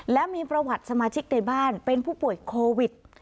และมีประวัติสมาชิกในบ้านเป็นผู้ป่วยโควิด